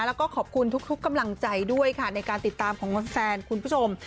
แล้วก็ขอบคุณทุกกำลังใจด้วยค่ะในการติดตามของแฟนคุณผู้ชม